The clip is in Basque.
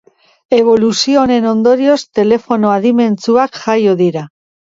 Eboluzio honen ondorioz, telefono adimentsuak jaio dira.